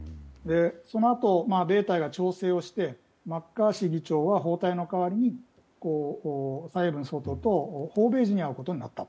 そのあと、調整をしてマッカーシー議長は訪台の代わりに蔡英文総統と訪米時に会うことになった。